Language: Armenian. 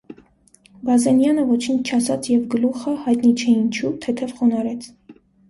Բազենյանը ոչինչ չասաց և գլուխը, հայտնի չէ ինչու, թեթև խոնարհեց: